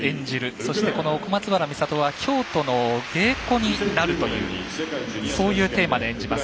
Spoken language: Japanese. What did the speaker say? そして、小松原美里は京都の芸妓になるというそういうテーマで演じます。